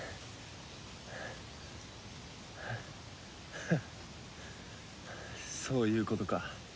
フッそういうことか。